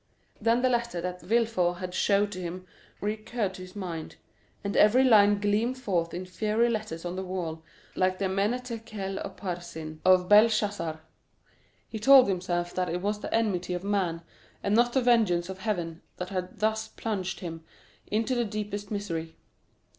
Then the letter that Villefort had showed to him recurred to his mind, and every line gleamed forth in fiery letters on the wall like the mene, mene, tekel upharsin of Belshazzar. He told himself that it was the enmity of man, and not the vengeance of Heaven, that had thus plunged him into the deepest misery.